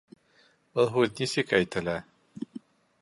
Был һүҙ нисек әйтелә?